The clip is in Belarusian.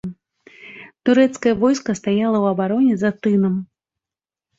Турэцкае войска стаяла ў абароне за тынам.